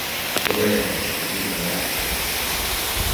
Gloria H., the female wag.